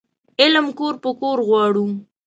علم کور په کور غواړو